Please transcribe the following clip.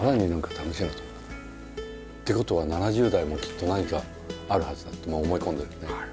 って事は７０代もきっと何かあるはずだってもう思い込んでるんで。